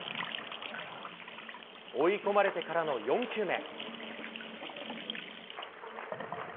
追い込まれてからの４球目。